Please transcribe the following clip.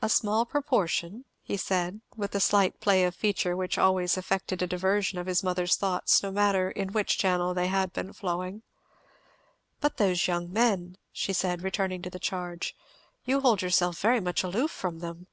"A small proportion," he said, with the slight play of feature which always effected a diversion of his mother's thoughts, no matter in what channel they had been flowing. "But those young men," she said, returning to the charge, "you hold yourself very much aloof from them?"